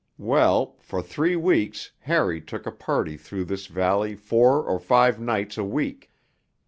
Well, for three weeks Harry took a party through this valley four or five nights a week....